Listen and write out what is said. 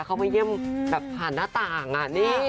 เข้ามาเยี่ยมผ่านหน้าต่างนี่